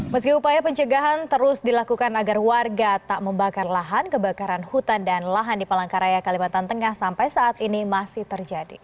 meski upaya pencegahan terus dilakukan agar warga tak membakar lahan kebakaran hutan dan lahan di palangkaraya kalimantan tengah sampai saat ini masih terjadi